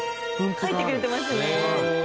書いてくれてますね。